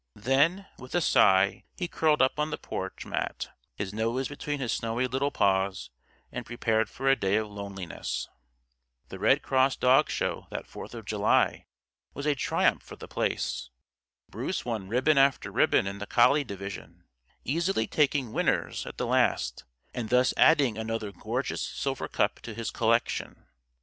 Then, with a sigh, he curled up on the porch mat, his nose between his snowy little paws, and prepared for a day of loneliness. The Red Cross dog show, that Fourth of July, was a triumph for The Place. Bruce won ribbon after ribbon in the collie division, easily taking "Winners" at the last, and thus adding another gorgeous silver cup to his collection.